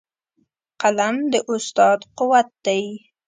قلم د استاد قوت دی.